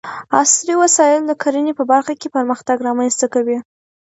عصري وسايل د کرنې په برخه کې پرمختګ رامنځته کوي.